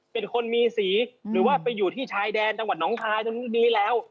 เป็นคนมีสีหรือว่าไปอยู่ที่ชายแดนจังหวัดน้องคายตรงนี้แล้ว